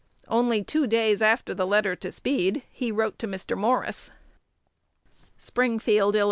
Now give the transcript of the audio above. Only two days after the letter to Speed, he wrote to Mr. Morris: Springfield, Ill.